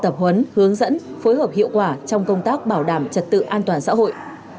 tập huấn hướng dẫn phối hợp hiệu quả trong công tác bảo đảm trật tự an toàn xã hội